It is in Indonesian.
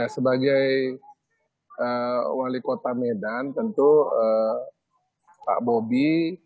sebagai wali kota medan tentu pak bobi